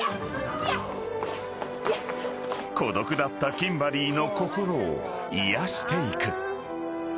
［孤独だったキンバリーの心を癒やしていく］